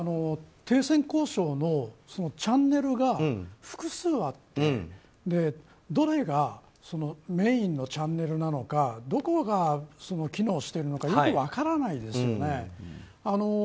停戦交渉のチャンネルが複数あってどれがメインのチャンネルなのかどこが機能してるのかよく分からないですよね。